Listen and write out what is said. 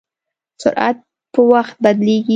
سرعت په وخت بدلېږي.